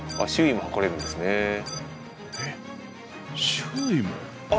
周囲も？